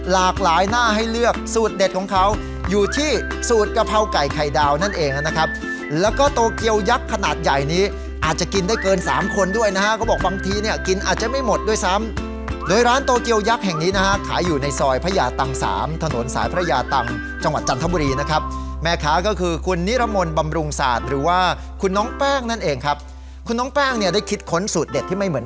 แล้วก็โตเกียวยักษ์ขนาดใหญ่นี้อาจจะกินได้เกิน๓คนด้วยนะฮะก็บอกบางทีเนี่ยกินอาจจะไม่หมดด้วยซ้ำโดยร้านโตเกียวยักษ์แห่งนี้นะฮะขายอยู่ในซอยพระยาตังสามถนนสายพระยาตังจังหวัดจันทบุรีนะครับแม่ค้าก็คือคุณนิรมนต์บำรุงศาสตร์หรือว่าคุณน้องแป้งนั่นเองครับคุณน้องแป้งเน